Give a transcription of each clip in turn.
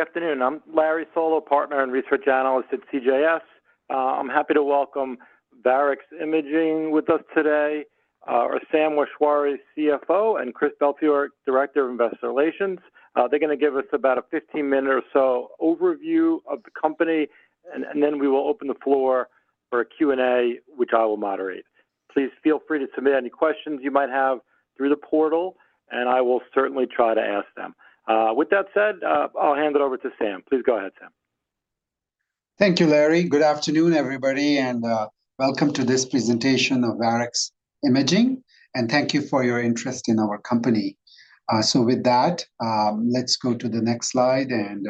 Hello. Good afternoon. I'm Larry Solow, partner and research analyst at CJS. I'm happy to welcome Varex Imaging with us today, our Sam Maheshwari, CFO, and Chris Belfiore, Director of Investor Relations. They're going to give us about a 15-minute or so overview of the company, and then we will open the floor for a Q&A, which I will moderate. Please feel free to submit any questions you might have through the portal, and I will certainly try to ask them. With that said, I'll hand it over to Sam. Please go ahead, Sam. Thank you, Larry. Good afternoon, everybody, and welcome to this presentation of Varex Imaging, and thank you for your interest in our company, so with that, let's go to the next slide, and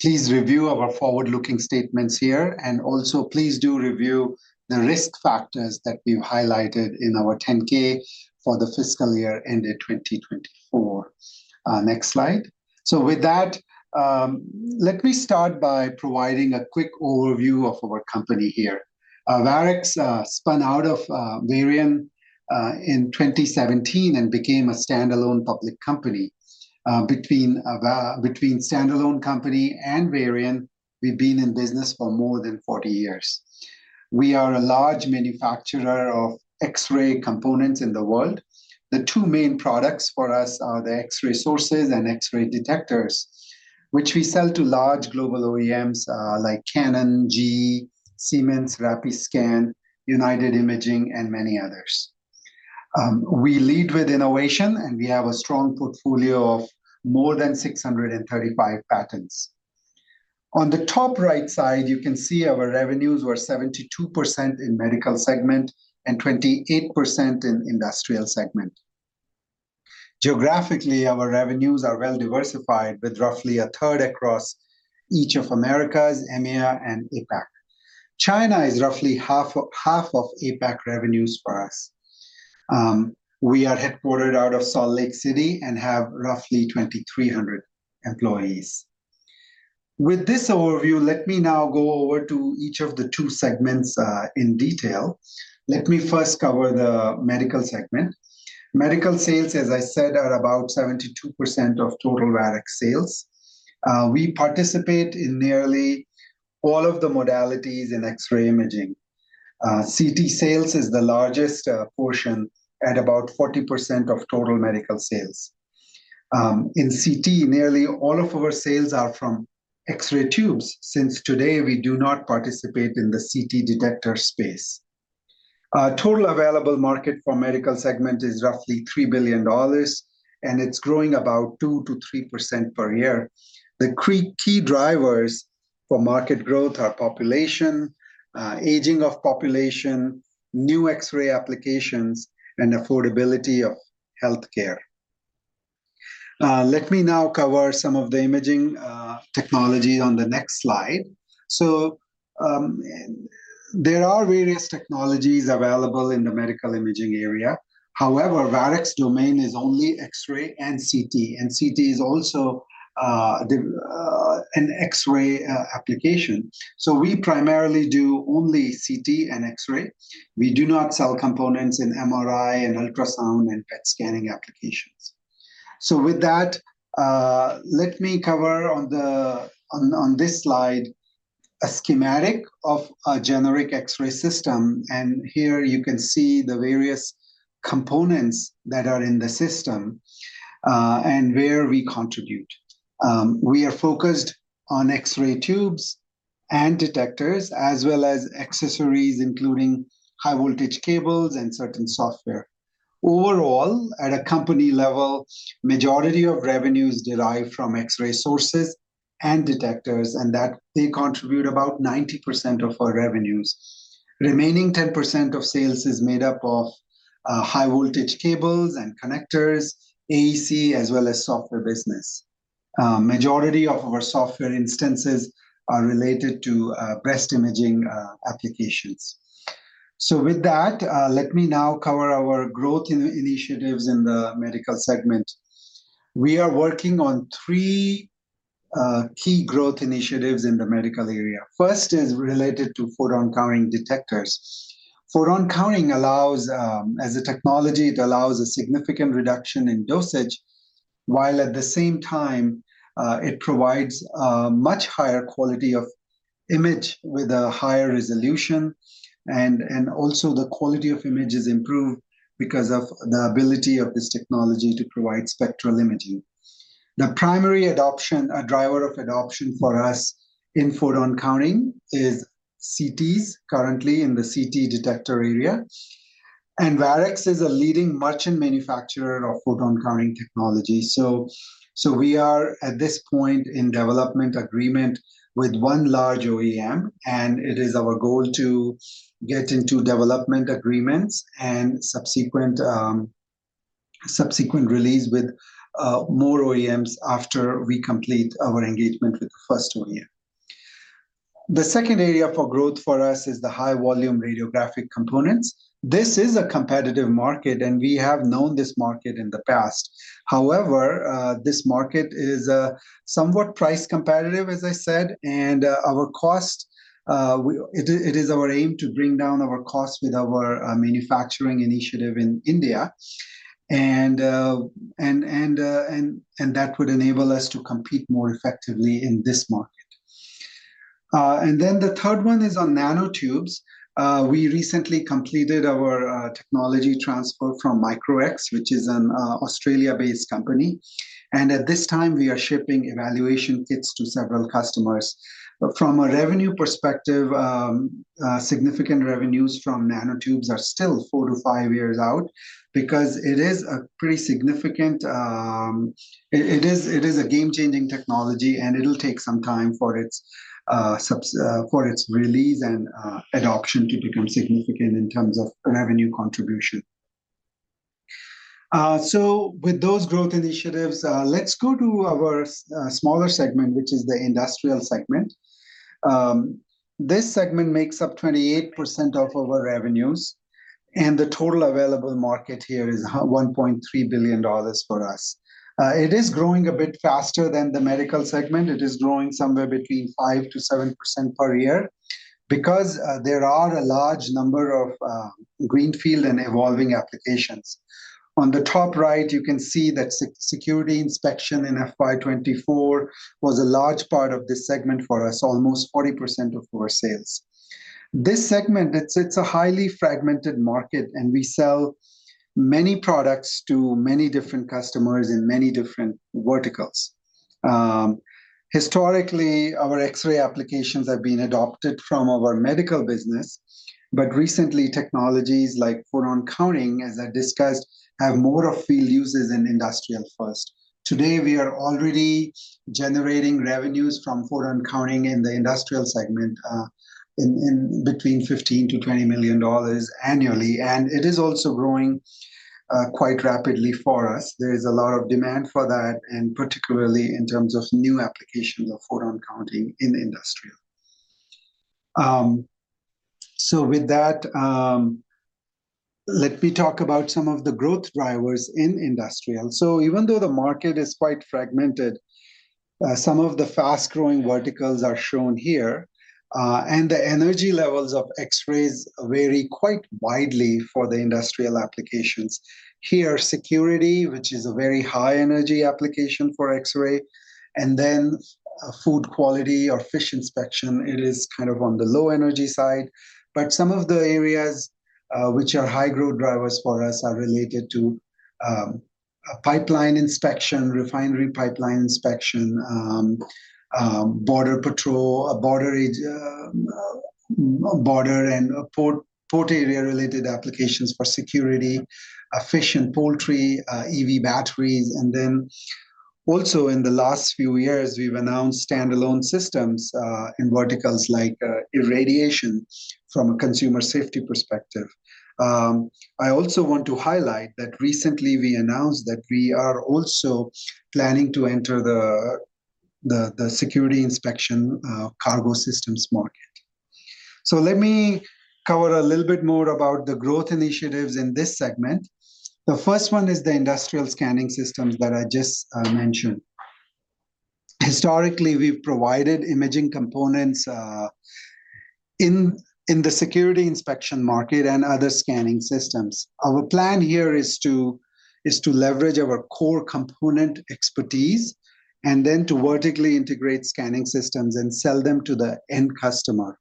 please review our forward-looking statements here, and also, please do review the risk factors that we've highlighted in our 10-K for the fiscal year ended 2024. Next slide, so with that, let me start by providing a quick overview of our company here. Varex spun out of Varian in 2017 and became a standalone public company. Between standalone company and Varian, we've been in business for more than 40 years. We are a large manufacturer of X-ray components in the world. The two main products for us are the X-ray sources and X-ray detectors, which we sell to large global OEMs like Canon, GE, Siemens, Rapiscan, United Imaging, and many others. We lead with innovation, and we have a strong portfolio of more than 635 patents. On the top right side, you can see our revenues were 72% in the medical segment and 28% in the industrial segment. Geographically, our revenues are well diversified, with roughly a third across each of Americas, EMEA, and APAC. China is roughly half of APAC revenues for us. We are headquartered out of Salt Lake City and have roughly 2,300 employees. With this overview, let me now go over to each of the two segments in detail. Let me first cover the medical segment. Medical sales, as I said, are about 72% of total Varex sales. We participate in nearly all of the modalities in X-ray imaging. CT sales is the largest portion, at about 40% of total medical sales. In CT, nearly all of our sales are from X-ray tubes, since today we do not participate in the CT detector space. Total available market for medical segment is roughly $3 billion, and it's growing about 2%-3% per year. The key drivers for market growth are population, aging of population, new X-ray applications, and affordability of health care. Let me now cover some of the imaging technologies on the next slide. So there are various technologies available in the medical imaging area. However, Varex's domain is only X-ray and CT, and CT is also an X-ray application. So we primarily do only CT and X-ray. We do not sell components in MRI and ultrasound and PET scanning applications. So with that, let me cover on this slide a schematic of a generic X-ray system. And here you can see the various components that are in the system and where we contribute. We are focused on X-ray tubes and detectors, as well as accessories, including high-voltage cables and certain software. Overall, at a company level, the majority of revenues derive from X-ray sources and detectors, and they contribute about 90% of our revenues. The remaining 10% of sales is made up of high-voltage cables and connectors, AEC, as well as software business. The majority of our software instances are related to breast imaging applications. So with that, let me now cover our growth initiatives in the medical segment. We are working on three key growth initiatives in the medical area. The first is related to photon-counting detectors. Photon-counting allows, as a technology, it allows a significant reduction in dosage, while at the same time, it provides a much higher quality of image with a higher resolution. And also, the quality of image is improved because of the ability of this technology to provide spectral imaging. The primary driver of adoption for us in photon-counting is CTs, currently in the CT detector area. And Varex is a leading merchant manufacturer of photon-counting technology. So we are, at this point, in development agreement with one large OEM, and it is our goal to get into development agreements and subsequent release with more OEMs after we complete our engagement with the first OEM. The second area for growth for us is the high-volume radiographic components. This is a competitive market, and we have known this market in the past. However, this market is somewhat price competitive, as I said, and our cost, it is our aim to bring down our cost with our manufacturing initiative in India, and that would enable us to compete more effectively in this market, and then the third one is on nanotubes. We recently completed our technology transfer from Micro-X, which is an Australia-based company, and at this time, we are shipping evaluation kits to several customers. From a revenue perspective, significant revenues from nanotubes are still four to five years out because it is a pretty significant, it is a game-changing technology, and it'll take some time for its release and adoption to become significant in terms of revenue contribution, so with those growth initiatives, let's go to our smaller segment, which is the industrial segment. This segment makes up 28% of our revenues, and the total available market here is $1.3 billion for us. It is growing a bit faster than the medical segment. It is growing somewhere between 5%-7% per year because there are a large number of greenfield and evolving applications. On the top right, you can see that security inspection in FY24 was a large part of this segment for us, almost 40% of our sales. This segment, it's a highly fragmented market, and we sell many products to many different customers in many different verticals. Historically, our X-ray applications have been adopted from our medical business, but recently, technologies like photon-counting, as I discussed, have more of field uses in industrial first. Today, we are already generating revenues from photon-counting in the industrial segment in between $15-$20 million annually, and it is also growing quite rapidly for us. There is a lot of demand for that, and particularly in terms of new applications of photon-counting in industrial. So with that, let me talk about some of the growth drivers in industrial. So even though the market is quite fragmented, some of the fast-growing verticals are shown here, and the energy levels of X-rays vary quite widely for the industrial applications. Here, security, which is a very high-energy application for X-ray, and then food quality or fish inspection, it is kind of on the low-energy side. But some of the areas which are high-growth drivers for us are related to pipeline inspection, refinery pipeline inspection, border patrol, border and port area-related applications for security, fish and poultry, EV batteries. Then also, in the last few years, we've announced standalone systems in verticals like irradiation from a consumer safety perspective. I also want to highlight that recently we announced that we are also planning to enter the security inspection cargo systems market. Let me cover a little bit more about the growth initiatives in this segment. The first one is the industrial scanning systems that I just mentioned. Historically, we've provided imaging components in the security inspection market and other scanning systems. Our plan here is to leverage our core component expertise and then to vertically integrate scanning systems and sell them to the end customer.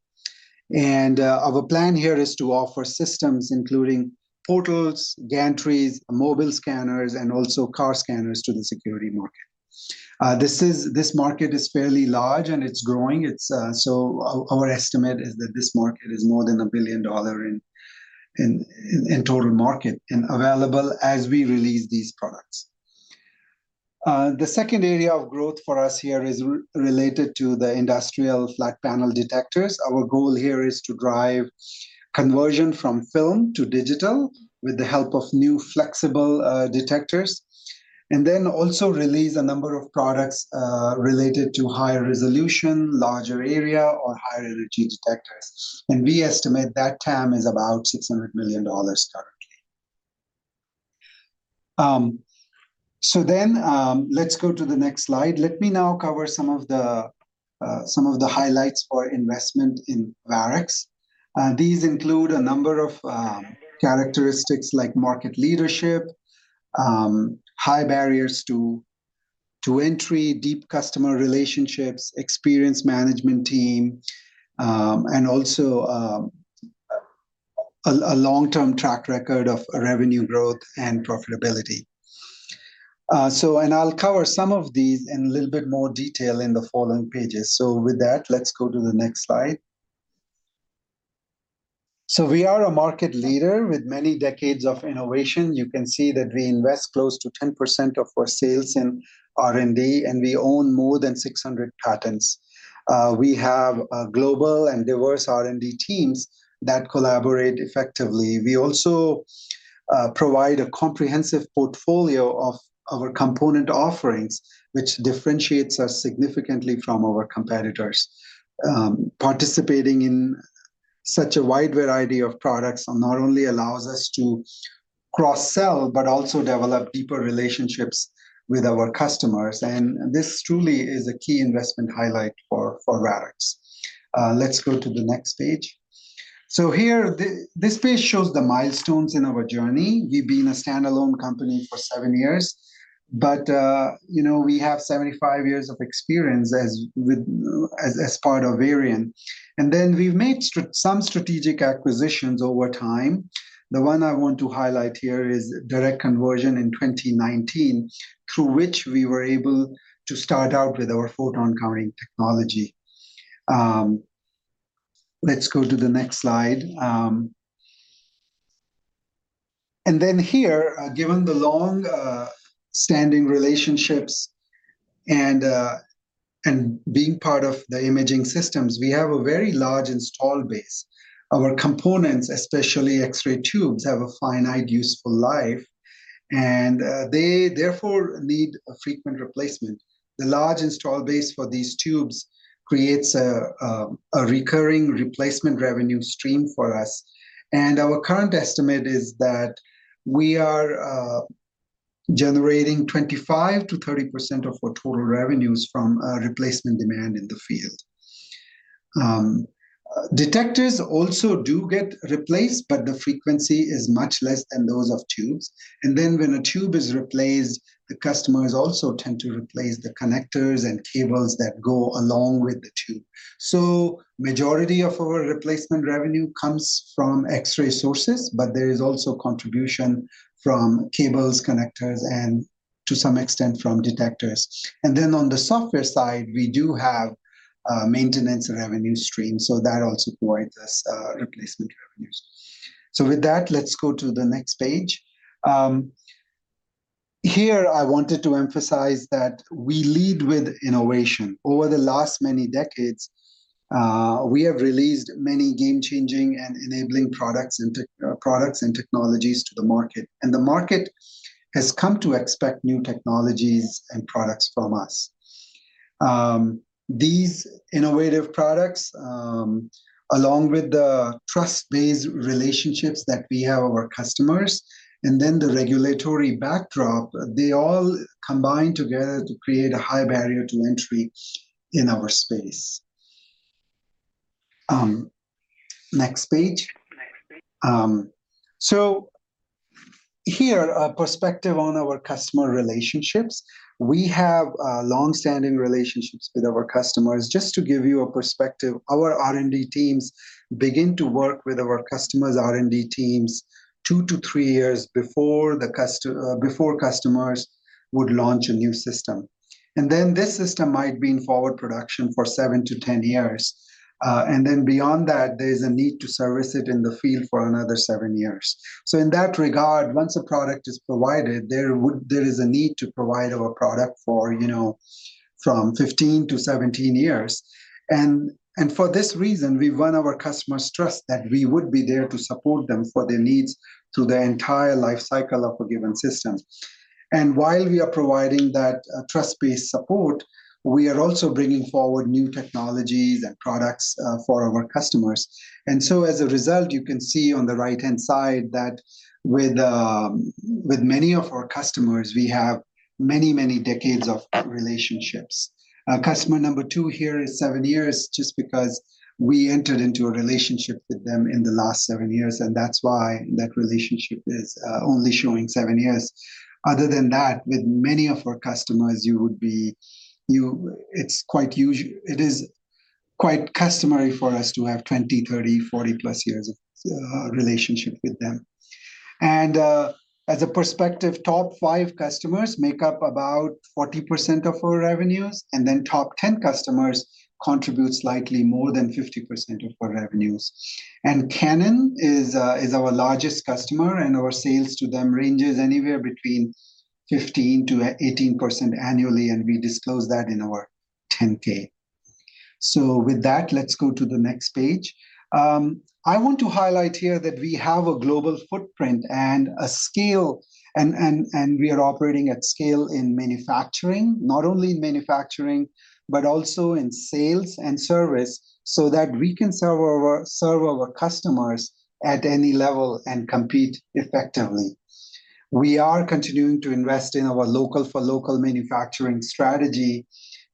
Our plan here is to offer systems, including portals, gantries, mobile scanners, and also cargo scanners to the security market. This market is fairly large, and it's growing. Our estimate is that this market is more than $1 billion in total market and available as we release these products. The second area of growth for us here is related to the industrial flat panel detectors. Our goal here is to drive conversion from film to digital with the help of new flexible detectors, and then also release a number of products related to higher resolution, larger area, or higher energy detectors. We estimate that TAM is about $600 million currently. Let's go to the next slide. Let me now cover some of the highlights for investment in Varex. These include a number of characteristics like market leadership, high barriers to entry, deep customer relationships, experienced management team, and also a long-term track record of revenue growth and profitability. I'll cover some of these in a little bit more detail in the following pages. With that, let's go to the next slide. We are a market leader with many decades of innovation. You can see that we invest close to 10% of our sales in R&D, and we own more than 600 patents. We have global and diverse R&D teams that collaborate effectively. We also provide a comprehensive portfolio of our component offerings, which differentiates us significantly from our competitors. Participating in such a wide variety of products not only allows us to cross-sell, but also develop deeper relationships with our customers. And this truly is a key investment highlight for Varex. Let's go to the next page. Here, this page shows the milestones in our journey. We've been a standalone company for seven years, but we have 75 years of experience as part of Varian. And then we've made some strategic acquisitions over time. The one I want to highlight here is Direct conversion in 2019, through which we were able to start out with our photon-counting technology. Let's go to the next slide. And then here, given the long-standing relationships and being part of the imaging systems, we have a very large installed base. Our components, especially X-ray tubes, have a finite useful life, and they therefore need a frequent replacement. The large installed base for these tubes creates a recurring replacement revenue stream for us. And our current estimate is that we are generating 25%-30% of our total revenues from replacement demand in the field. Detectors also do get replaced, but the frequency is much less than those of tubes. And then when a tube is replaced, the customers also tend to replace the connectors and cables that go along with the tube. So the majority of our replacement revenue comes from X-ray sources, but there is also contribution from cables, connectors, and to some extent from detectors. And then on the software side, we do have maintenance revenue streams, so that also provides us replacement revenues. So with that, let's go to the next page. Here, I wanted to emphasize that we lead with innovation. Over the last many decades, we have released many game-changing and enabling products and technologies to the market. And the market has come to expect new technologies and products from us. These innovative products, along with the trust-based relationships that we have with our customers, and then the regulatory backdrop, they all combine together to create a high barrier to entry in our space. Next page. So here, a perspective on our customer relationships. We have long-standing relationships with our customers. Just to give you a perspective, our R&D teams begin to work with our customers' R&D teams two to three years before customers would launch a new system, and then this system might be in forward production for 7-10 years, and then beyond that, there is a need to service it in the field for another 7 years, so in that regard, once a product is provided, there is a need to provide our product for 15-17 years. For this reason, we've won our customers' trust that we would be there to support them for their needs through the entire life cycle of a given system, and while we are providing that trust-based support, we are also bringing forward new technologies and products for our customers. And so as a result, you can see on the right-hand side that with many of our customers, we have many, many decades of relationships. Customer number two here is 7 years just because we entered into a relationship with them in the last 7 years, and that's why that relationship is only showing 7 years. Other than that, with many of our customers, it's quite customary for us to have 20, 30, 40-plus years of relationship with them. And as a perspective, top five customers make up about 40% of our revenues, and then top 10 customers contribute slightly more than 50% of our revenues. And Canon is our largest customer, and our sales to them ranges anywhere between 15%-18% annually, and we disclose that in our 10-K. So with that, let's go to the next page. I want to highlight here that we have a global footprint and a scale, and we are operating at scale in manufacturing, not only in manufacturing, but also in sales and service so that we can serve our customers at any level and compete effectively. We are continuing to invest in our local-for-local manufacturing strategy,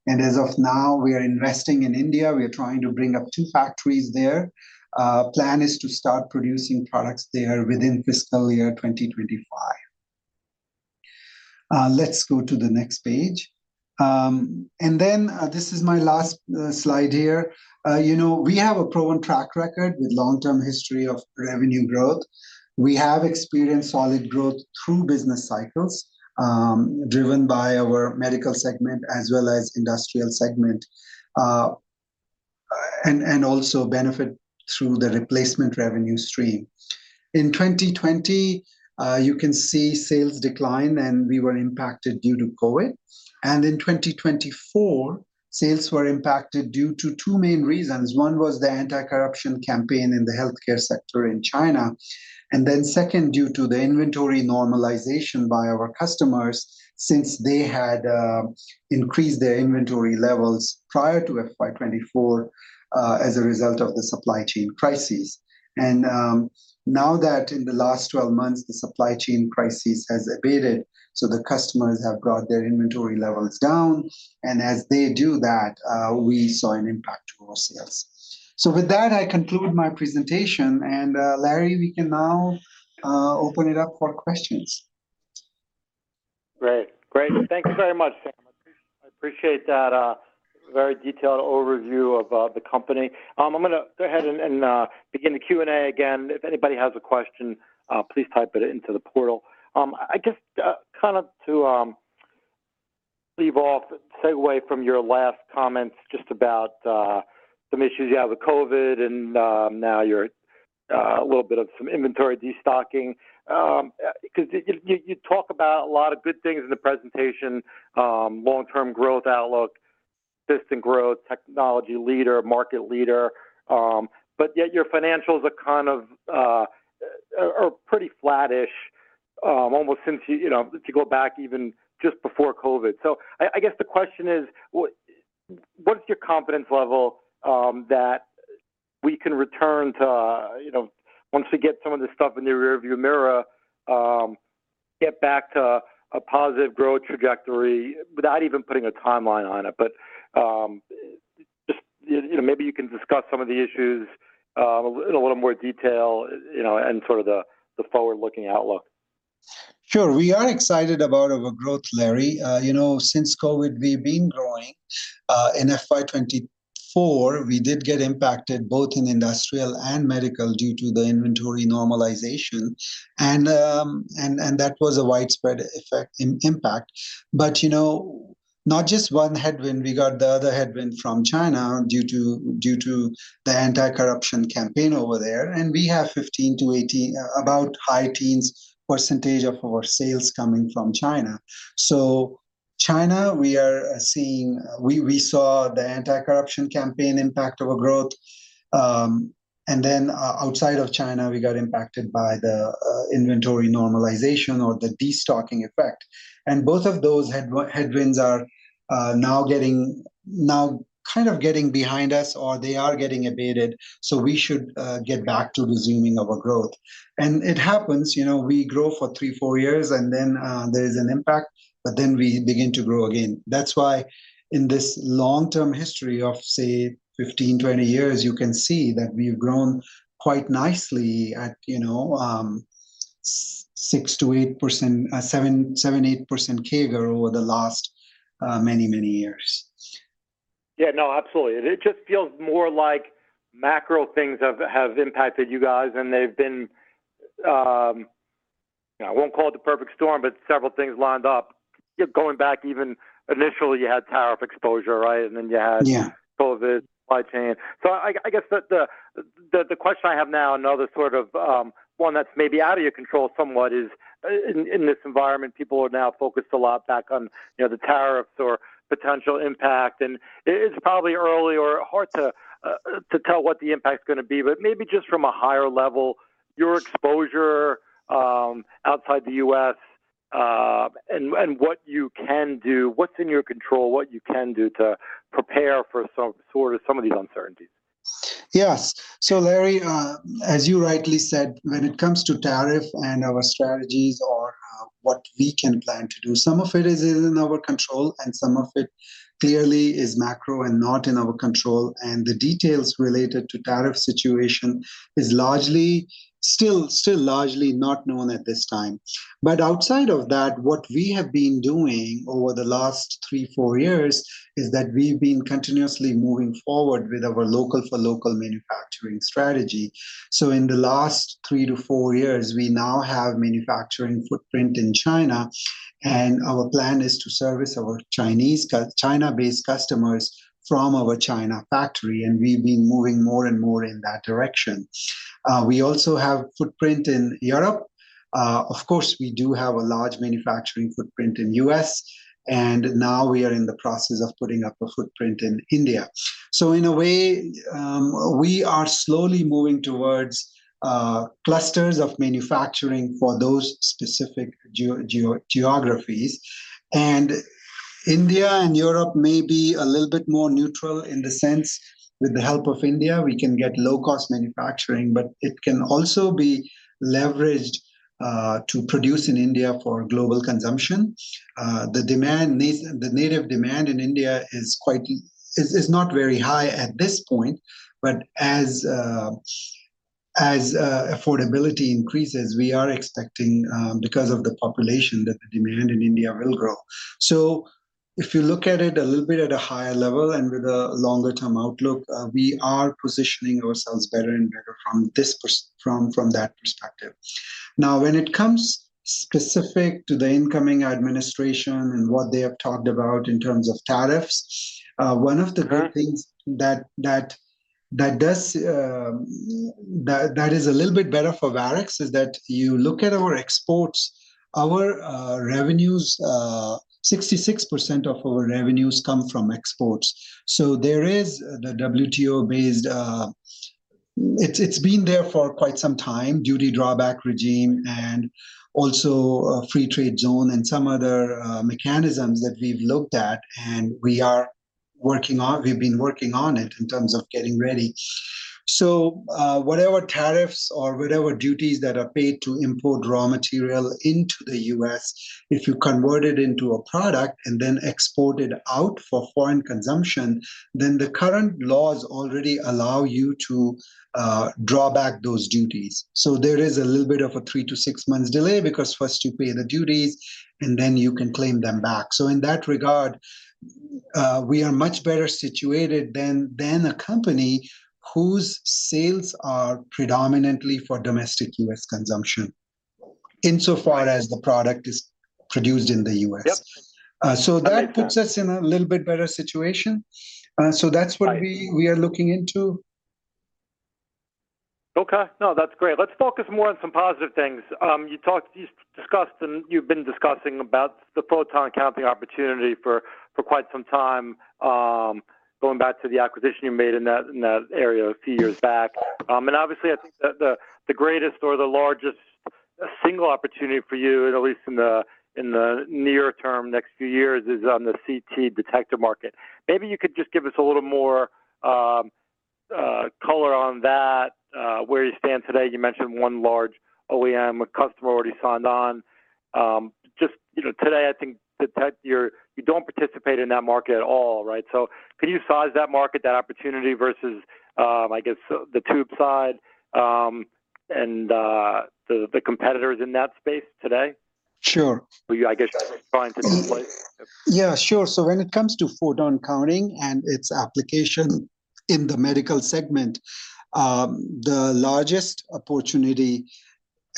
and as of now, we are investing in India. We are trying to bring up two factories there. The plan is to start producing products there within fiscal year 2025. Let's go to the next page, and then this is my last slide here. We have a proven track record with a long-term history of revenue growth. We have experienced solid growth through business cycles driven by our medical segment as well as the industrial segment and also benefit through the replacement revenue stream. In 2020, you can see sales decline, and we were impacted due to COVID, and in 2024, sales were impacted due to two main reasons. One was the anti-corruption campaign in the healthcare sector in China, and then second, due to the inventory normalization by our customers since they had increased their inventory levels prior to FY24 as a result of the supply chain crisis, and now that in the last 12 months, the supply chain crisis has abated, so the customers have brought their inventory levels down, and as they do that, we saw an impact to our sales, so with that, I conclude my presentation, and Larry, we can now open it up for questions. Great. Great. Thank you very much, Sam. I appreciate that very detailed overview of the company. I'm going to go ahead and begin the Q&A again. If anybody has a question, please type it into the portal. I guess kind of to leave off, segue from your last comments just about some issues you have with COVID and now you're a little bit of some inventory destocking. Because you talk about a lot of good things in the presentation: long-term growth outlook, distant growth, technology leader, market leader. But yet your financials are kind of pretty flattish almost since you go back even just before COVID. So I guess the question is, what's your confidence level that we can return to once we get some of this stuff in the rearview mirror, get back to a positive growth trajectory without even putting a timeline on it? But maybe you can discuss some of the issues in a little more detail and sort of the forward-looking outlook. Sure. We are excited about our growth, Larry. Since COVID, we've been growing. In FY24, we did get impacted both in industrial and medical due to the inventory normalization, and that was a widespread impact, but not just one headwind, we got the other headwind from China due to the anti-corruption campaign over there, and we have 15-18%, about high teens % of our sales coming from China, so China, we are seeing we saw the anti-corruption campaign impact of our growth, and then outside of China, we got impacted by the inventory normalization or the destocking effect, and both of those headwinds are now kind of getting behind us, or they are getting abated, so we should get back to resuming our growth, and it happens. We grow for three, four years, and then there is an impact, but then we begin to grow again. That's why in this long-term history of, say, 15-20 years, you can see that we've grown quite nicely at 6-8%, 7-8% CAGR over the last many, many years. Yeah. No, absolutely. It just feels more like macro things have impacted you guys, and they've been, I won't call it the perfect storm, but several things lined up. Going back, even initially, you had tariff exposure, right? And then you had COVID, supply chain. So I guess the question I have now, another sort of one that's maybe out of your control somewhat, is in this environment, people are now focused a lot back on the tariffs or potential impact. And it's probably early or hard to tell what the impact's going to be, but maybe just from a higher level, your exposure outside the U.S. and what you can do, what's in your control, what you can do to prepare for sort of some of these uncertainties. Yes. So Larry, as you rightly said, when it comes to tariff and our strategies or what we can plan to do, some of it is in our control, and some of it clearly is macro and not in our control, and the details related to the tariff situation are still largely not known at this time, but outside of that, what we have been doing over the last three, four years is that we've been continuously moving forward with our local-for-local manufacturing strategy, so in the last three to four years, we now have a manufacturing footprint in China, and our plan is to service our China-based customers from our China factory, and we've been moving more and more in that direction. We also have a footprint in Europe. Of course, we do have a large manufacturing footprint in the U.S., and now we are in the process of putting up a footprint in India. So in a way, we are slowly moving towards clusters of manufacturing for those specific geographies. And India and Europe may be a little bit more neutral in the sense that with the help of India, we can get low-cost manufacturing, but it can also be leveraged to produce in India for global consumption. The native demand in India is not very high at this point, but as affordability increases, we are expecting, because of the population, that the demand in India will grow. So if you look at it a little bit at a higher level and with a longer-term outlook, we are positioning ourselves better and better from that perspective. Now, when it comes specific to the incoming administration and what they have talked about in terms of tariffs, one of the good things that is a little bit better for Varex is that you look at our exports. Our revenues, 66% of our revenues come from exports. So there is the WTO-based, it's been there for quite some time, duty drawback regime, and also a free trade zone and some other mechanisms that we've looked at, and we are working on, we've been working on it in terms of getting ready. So whatever tariffs or whatever duties that are paid to import raw material into the U.S., if you convert it into a product and then export it out for foreign consumption, then the current laws already allow you to draw back those duties. So there is a little bit of a 3-6 months delay because first you pay the duties, and then you can claim them back. So in that regard, we are much better situated than a company whose sales are predominantly for domestic U.S. consumption insofar as the product is produced in the U.S. So that puts us in a little bit better situation. So that's what we are looking into. Okay. No, that's great. Let's focus more on some positive things. You've discussed and you've been discussing about the photon counting opportunity for quite some time, going back to the acquisition you made in that area a few years back. And obviously, I think the greatest or the largest single opportunity for you, at least in the near term, next few years, is on the CT detector market. Maybe you could just give us a little more color on that, where you stand today. You mentioned one large OEM, a customer already signed on. Just today, I think you don't participate in that market at all, right? So could you size that market, that opportunity versus, I guess, the tube side and the competitors in that space today? Sure. I guess you're trying to displace. Yeah. Sure. So when it comes to photon counting and its application in the medical segment, the largest opportunity,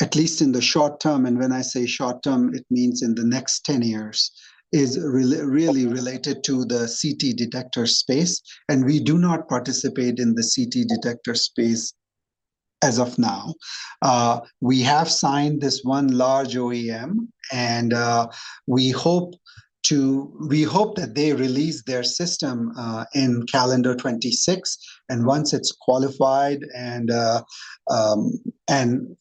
at least in the short term (and when I say short term, it means in the next 10 years), is really related to the CT detector space. And we do not participate in the CT detector space as of now. We have signed this one large OEM, and we hope that they release their system in calendar 2026. And once it is qualified and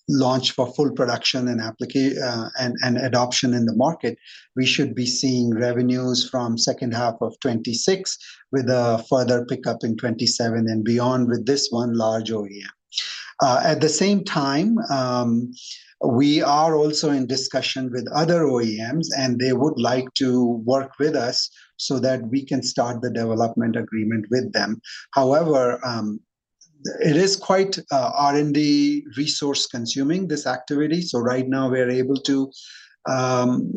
launched for full production and adoption in the market, we should be seeing revenues from the second half of 2026 with a further pickup in 2027 and beyond with this one large OEM. At the same time, we are also in discussion with other OEMs, and they would like to work with us so that we can start the development agreement with them. However, it is quite R&D resource-consuming, this activity. So right now, we're able to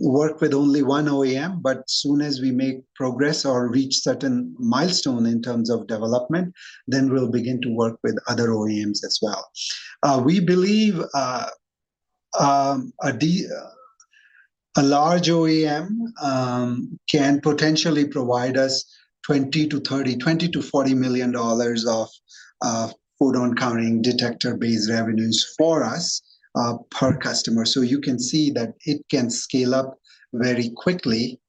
work with only one OEM. But as soon as we make progress or reach a certain milestone in terms of development, then we'll begin to work with other OEMs as well. We believe a large OEM can potentially provide us $20-$40 million of photon-counting detector-based revenues for us per customer. So you can see that it can scale up very quickly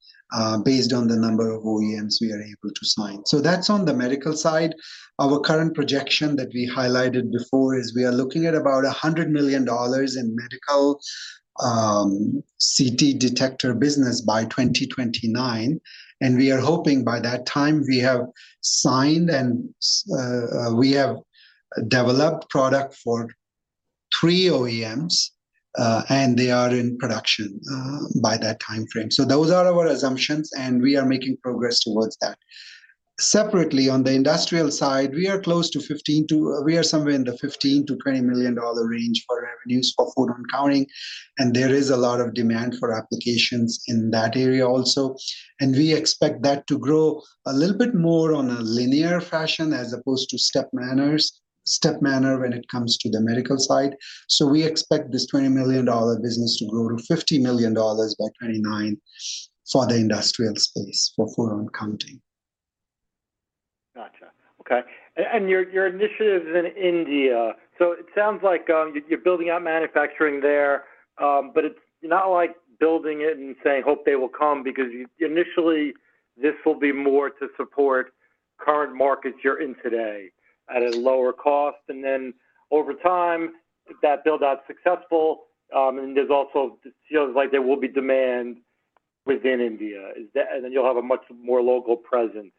based on the number of OEMs we are able to sign. So that's on the medical side. Our current projection that we highlighted before is we are looking at about $100 million in medical CT detector business by 2029, and we are hoping by that time we have signed and we have developed a product for three OEMs, and they are in production by that time frame. Those are our assumptions, and we are making progress towards that. Separately, on the industrial side, we are somewhere in the $15 million-$20 million range for revenues for photon counting. There is a lot of demand for applications in that area also. We expect that to grow a little bit more on a linear fashion as opposed to step manner when it comes to the medical side. We expect this $20 million business to grow to $50 million by 2029 for the industrial space for photon counting. Gotcha. Okay, and your initiative is in India. So it sounds like you're building out manufacturing there, but it's not like building it and saying, "Hope they will come," because initially, this will be more to support current markets you're in today at a lower cost, and then over time, if that build-out's successful, and there's also it feels like there will be demand within India, and then you'll have a much more local presence.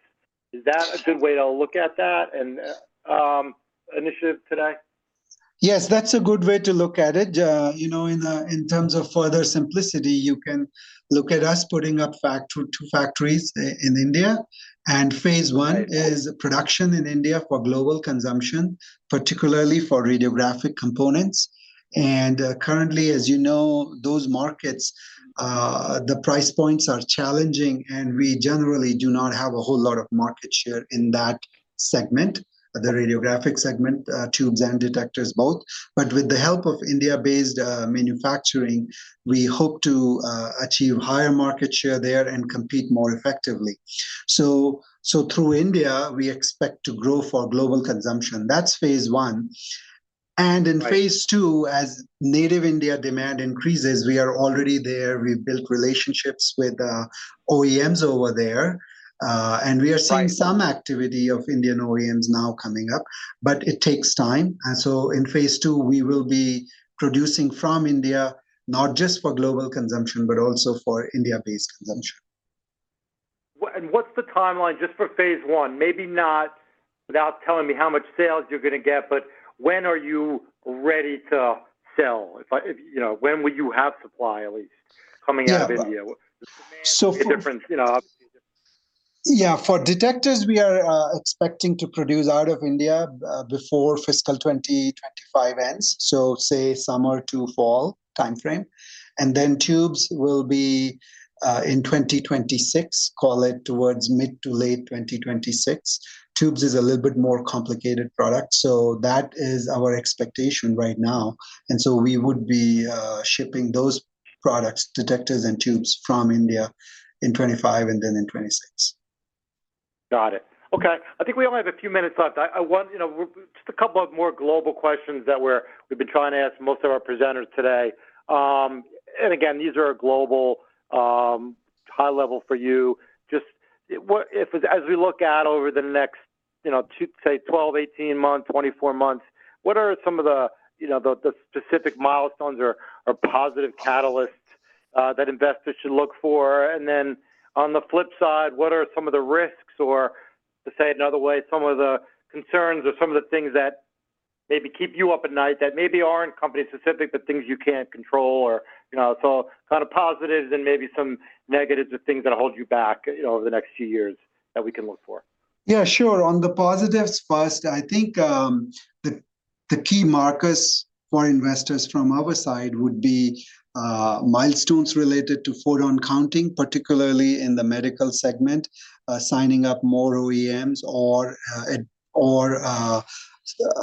Is that a good way to look at that initiative today? Yes, that's a good way to look at it. In terms of further simplicity, you can look at us putting up two factories in India, and phase one is production in India for global consumption, particularly for radiographic components, and currently, as you know, those markets, the price points are challenging, and we generally do not have a whole lot of market share in that segment, the radiographic segment, tubes and detectors both, but with the help of India-based manufacturing, we hope to achieve higher market share there and compete more effectively, so through India, we expect to grow for global consumption. That's phase one, and in phase two, as native India demand increases, we are already there. We've built relationships with OEMs over there, and we are seeing some activity of Indian OEMs now coming up, but it takes time. In phase two, we will be producing from India, not just for global consumption, but also for India-based consumption. What's the timeline just for phase one? Maybe not without telling me how much sales you're going to get, but when are you ready to sell? When will you have supply at least coming out of India? Yeah. For detectors, we are expecting to produce out of India before fiscal 2025 ends, so say summer to fall timeframe. And then tubes will be in 2026, call it towards mid to late 2026. Tubes is a little bit more complicated product. So that is our expectation right now. And so we would be shipping those products, detectors and tubes, from India in 2025 and then in 2026. Got it. Okay. I think we only have a few minutes left. Just a couple of more global questions that we've been trying to ask most of our presenters today. And again, these are global, high level for you. Just as we look out over the next, say, 12, 18 months, 24 months, what are some of the specific milestones or positive catalysts that investors should look for? And then on the flip side, what are some of the risks or, to say it another way, some of the concerns or some of the things that maybe keep you up at night that maybe aren't company-specific, but things you can't control? So kind of positives and maybe some negatives of things that hold you back over the next few years that we can look for. Yeah, sure. On the positives first, I think the key markers for investors from our side would be milestones related to photon counting, particularly in the medical segment, signing up more OEMs or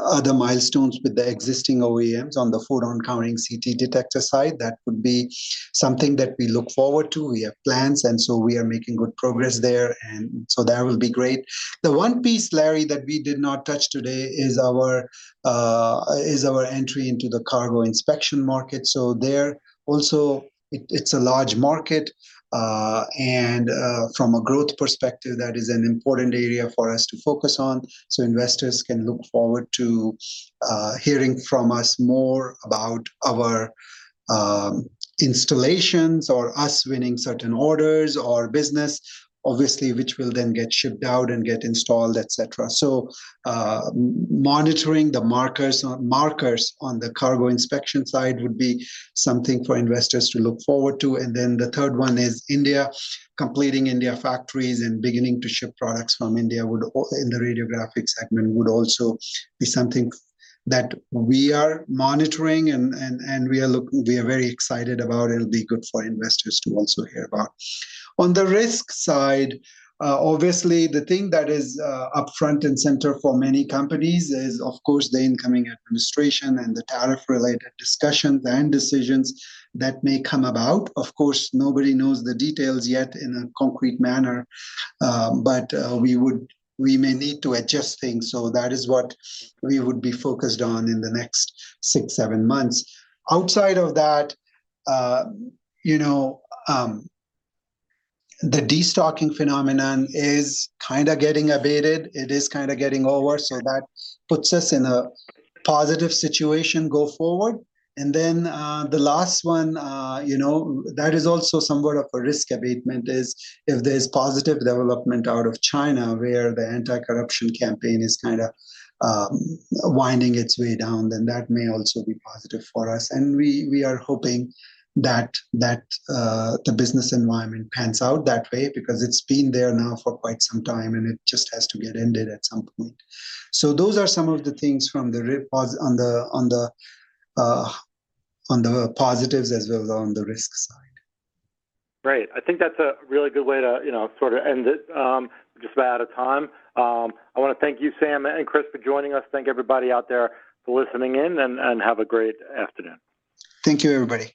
other milestones with the existing OEMs on the photon counting CT detector side. That would be something that we look forward to. We have plans, and so we are making good progress there. And so that will be great. The one piece, Larry, that we did not touch today is our entry into the cargo inspection market. So there, also, it's a large market. And from a growth perspective, that is an important area for us to focus on. So investors can look forward to hearing from us more about our installations or us winning certain orders or business, obviously, which will then get shipped out and get installed, etc. Monitoring the markers on the cargo inspection side would be something for investors to look forward to. The third one is India, completing India factories and beginning to ship products from India in the radiographic segment would also be something that we are monitoring, and we are very excited about. It will be good for investors to also hear about. On the risk side, obviously, the thing that is up front and center for many companies is, of course, the incoming administration and the tariff-related discussions and decisions that may come about. Of course, nobody knows the details yet in a concrete manner, but we may need to adjust things. That is what we would be focused on in the next six, seven months. Outside of that, the destocking phenomenon is kind of getting abated. It is kind of getting over. So that puts us in a positive situation going forward. And then the last one that is also somewhat of a risk abatement is if there's positive development out of China where the anti-corruption campaign is kind of winding its way down, then that may also be positive for us. And we are hoping that the business environment pans out that way because it's been there now for quite some time, and it just has to get ended at some point. So those are some of the things on the positives as well as on the risk side. Great. I think that's a really good way to sort of end it. Just about out of time. I want to thank you, Sam and Chris, for joining us. Thank everybody out there for listening in, and have a great afternoon. Thank you, everybody.